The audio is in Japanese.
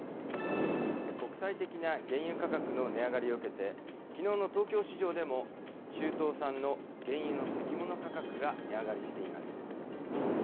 国際的な原油価格の値上がりを受けて、きのうの東京市場でも、中東産の原油の先物価格が値上がりしています。